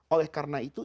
oleh karena itu